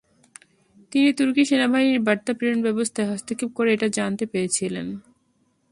তিনি তুর্কি সেনাবাহিনীর বার্তা প্রেরণ ব্যবস্থায় হস্তক্ষেপ করে এটা জানতে পেরেছিলেন।